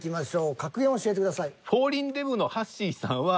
格言を教えてください。